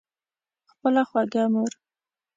خپله خوږه مور